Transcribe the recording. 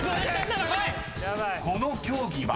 ［この競技は？］